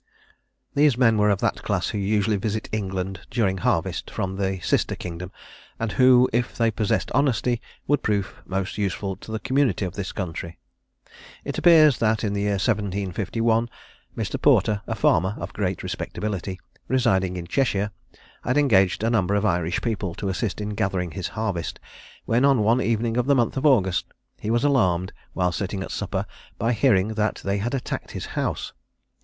These men were of that class who usually visit England during harvest, from the sister kingdom, and who, if they possessed honesty, would prove most useful to the community of this country. It appears that in the year 1751, Mr. Porter, a farmer of great respectability, residing in Cheshire, had engaged a number of Irish people to assist in gathering his harvest, when on one evening in the month of August he was alarmed, while sitting at supper, by hearing that they had attacked his house.